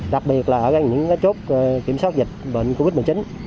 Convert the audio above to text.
đặc biệt là ở những chốt kiểm soát dịch bệnh covid một mươi chín